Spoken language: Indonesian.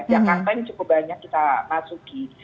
jakarta ini cukup banyak kita masuki